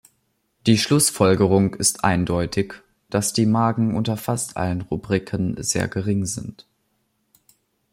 Die Schlussfolgerung ist eindeutig, dass die Margen unter fast allen Rubriken sehr gering sind.